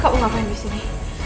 kau mau ngapain disini